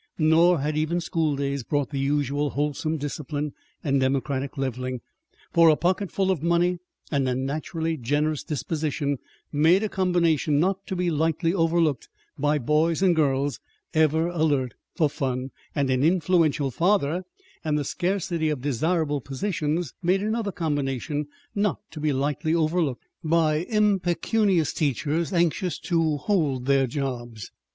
Nor had even school days brought the usual wholesome discipline and democratic leveling; for a pocketful of money and a naturally generous disposition made a combination not to be lightly overlooked by boys and girls ever alert for "fun"; and an influential father and the scarcity of desirable positions made another combination not to be lightly overlooked by impecunious teachers anxious to hold their "jobs."